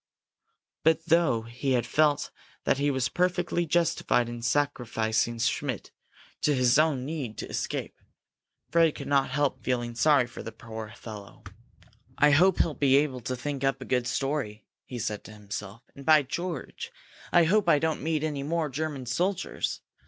But though he had felt that he was perfectly justified in sacrificing Schmidt to his own need to escape, Fred could not help feeling sorry for the poor fellow. "I hope he'll be able to think up a good story!" he said to himself. "And, by George, I hope I don't meet any more German soldiers!